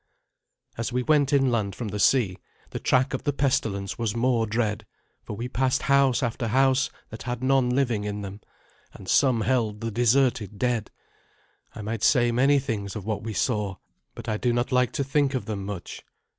As we went inland from the sea, the track of the pestilence was more dread, for we passed house after house that had none living in them, and some held the deserted dead. I might say many things of what we saw, but I do not like to think of them much.